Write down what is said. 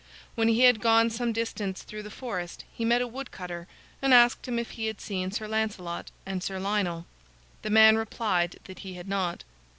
When he had gone some distance through the forest, he met a wood cutter, and asked him if he had seen Sir Lancelot and Sir Lionel. The man replied that he had not.